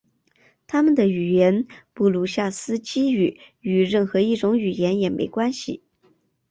他们的语言布鲁夏斯基语与任何一种语言也没关系。